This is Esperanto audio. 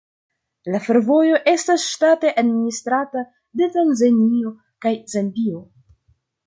La fervojo estas ŝtate administrata de Tanzanio kaj Zambio.